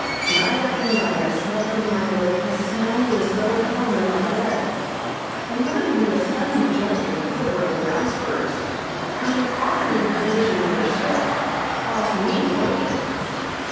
Night after night I slept in my berth as soundly as though at home in my bed, and not even the sudden jolt and quiver of the icebergs coming often into collision with the ship caused me to waken.